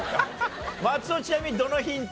松尾ちなみにどのヒント？